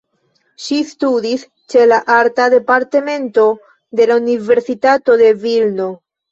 Ŝi studis ĉe la Arta Departemento de la Universitato en Vilno.